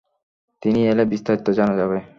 তিনি এলে বিস্তারিত জানা যাবে।